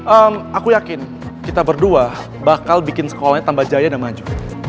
aku yakin kita berdua bakal bikin sekolahnya tambah jaya dan maju